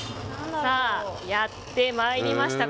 やってまいりました。